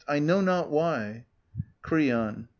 I know not why. Creon.